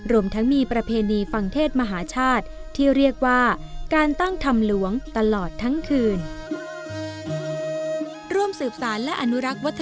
รวมทั้งมีประเพณีฟังเทศมหาชาติที่เรียกว่าการตั้งธรรมหลวงตลอดทั้งคืน